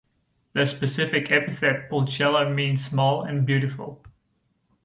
The specific epithet ("pulchella") means "small and beautiful".